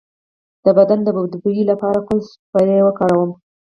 د بدن د بد بوی لپاره کوم سپری وکاروم؟